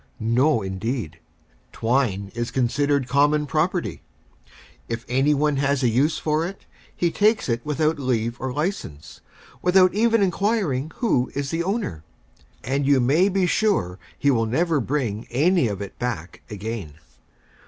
No, indeed! Twine is considered common property. If any one has a use for it, he takes it without leave or license, without even inquiring who is the owner, and you may be sure he will never bring any of it back again.